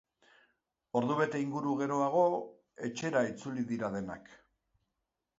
Ordubete inguru geroago, etxera itzuli dira denak.